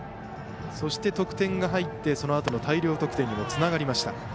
そして得点が入ってそのあとの大量得点につながりました。